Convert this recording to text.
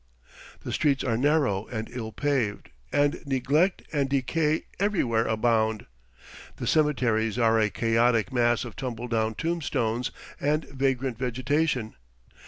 The streets are narrow and ill paved, and neglect and decay everywhere abound. The cemeteries are a chaotic mass of tumbledown tombstones and vagrant vegetation.